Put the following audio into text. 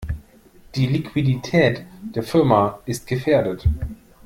Die Liquidität der Firma ist gefährdet.